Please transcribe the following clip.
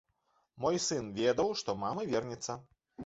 Мой сын ведаў, што мама вернецца.